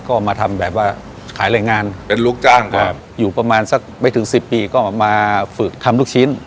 ก็มาทำแบบว่าขายแรงงานเป็นลูกจ้างก็อยู่ประมาณสักไม่ถึงสิบปีก็มาฝึกทำลูกชิ้น